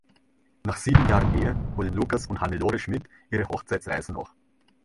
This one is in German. Nach sieben Jahren Ehe holen Lukas und Hannelore Schmidt ihre Hochzeitsreise nach.